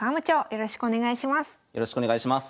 よろしくお願いします。